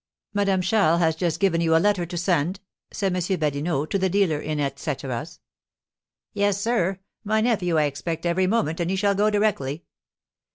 "Madame Charles has just given you a letter to send?" said M. Badinot, to the dealer in et ceteras. "Yes, sir; my nephew I expect every moment, and he shall go directly."